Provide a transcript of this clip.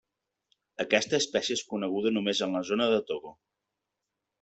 Aquesta espècie és coneguda només en la zona de Togo.